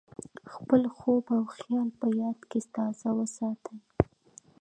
خپل خوب او خیال په یاد کې تازه وساتئ.